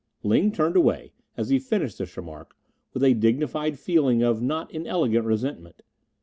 Ling turned away, as he finished this remark, with a dignified feeling of not inelegant resentment.